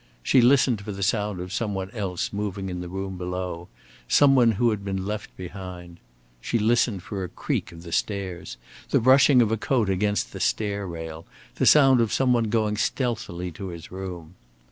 She listened for the sound of some one else moving in the room below, some one who had been left behind. She listened for a creak of the stairs, the brushing of a coat against the stair rail, the sound of some one going stealthily to his room.